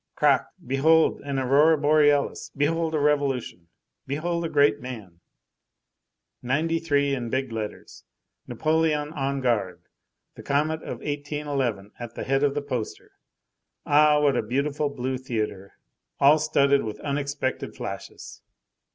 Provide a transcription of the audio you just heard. Crac, and behold an aurora borealis, behold a revolution, behold a great man; '93 in big letters, Napoleon on guard, the comet of 1811 at the head of the poster. Ah! what a beautiful blue theatre all studded with unexpected flashes!